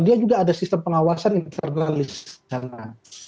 dia juga ada sistem pengawasan internalis dana